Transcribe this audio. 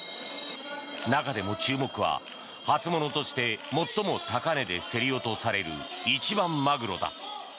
中でも注目は初物として最も高値で競り落とされる一番マグロだ。